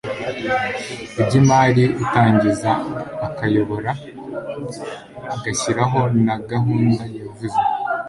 iby imari utangiza akayobora agashyiraho na gahunda yavuze